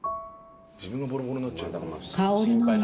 自分がボロボロになっちゃうよ